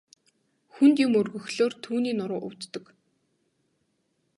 Хүнд юм өргөхлөөр түүний нуруу өвддөг.